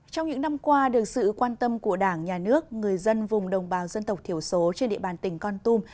trong những năm qua được sự quan tâm của đảng nhà nước người dân vùng đồng bào dân tộc thiểu số trên địa bàn tỉnh con tum